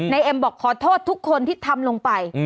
เอ็มบอกขอโทษทุกคนที่ทำลงไป